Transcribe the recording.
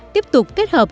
tiếp tục kết hợp